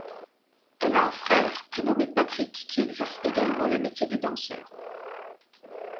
Elle a un frère, prénommé Patrick qui exerce également le métier de danseur.